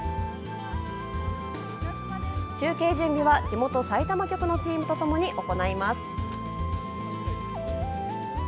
中継準備は、地元さいたま局のチームとともに行います。